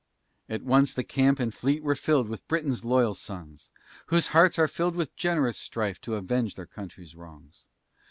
At once the Camp and Fleet were filled With Britain's loyal sons, Whose hearts are filled with generous strife T' avenge their Country's wrongs.